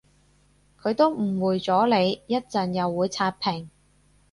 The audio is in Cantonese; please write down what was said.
佢都誤會咗你，一陣又會刷屏